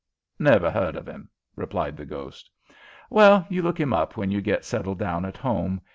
"Never 'eard of 'im," replied the ghost. "Well, you look him up when you get settled down at home.